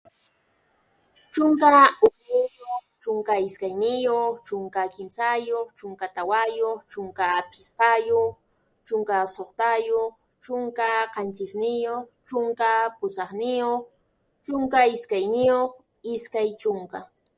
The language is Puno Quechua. Chunka hukniyuq, chunka iskayniyuq, chunka tawayuq, chunka pisqayuq, chunka suqtayuq, chunka qanchisniyuq, chunka pusaqniyuq, chunka isqunniyuq, iskay chunka.